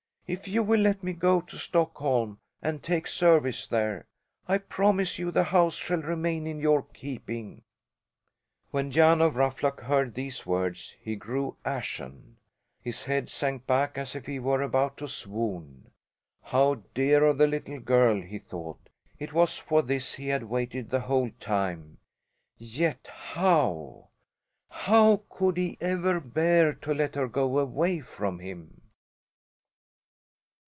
If you will let me go to Stockholm and take service there, I promise you the house shall remain in your keeping." When Jan of Ruffluck heard these words he grew ashen. His head sank back as if he were about to swoon. How dear of the little girl! he thought. It was for this he had waited the whole time yet how, how could he ever bear to let her go away from him?